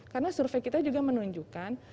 karena survei kita juga menunjukkan